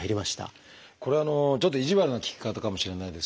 これはちょっと意地悪な聞き方かもしれないです